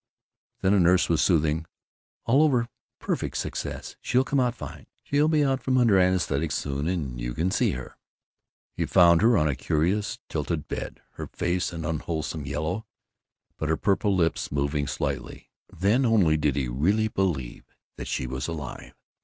Then a nurse was soothing, "All over! Perfect success! She'll come out fine! She'll be out from under the anesthetic soon, and you can see her." He found her on a curious tilted bed, her face an unwholesome yellow but her purple lips moving slightly. Then only did he really believe that she was alive.